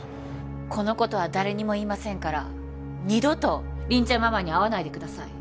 この事は誰にも言いませんから二度と凛ちゃんママに会わないでください。